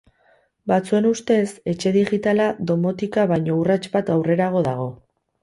Batzuen ustez, etxe digitala domotika baino urrats bat aurrerago dago.